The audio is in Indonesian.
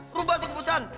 perubah tuh keputusan